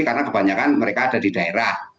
karena kebanyakan mereka ada di daerah